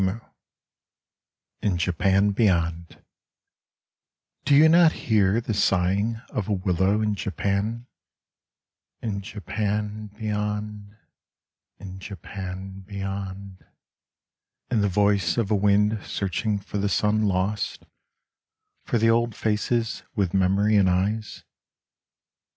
Ii6 IN JAPAN BEYOND Do you not hear the sighing of a willow in Japan, (In Japan beyond, in Japan beyond) In the voice of a wind searching for the sun lost, For the old faces with memory in eyes